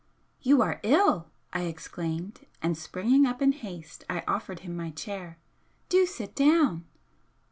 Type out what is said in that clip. "You are ill!" I exclaimed, and springing up in haste I offered him my chair "Do sit down!"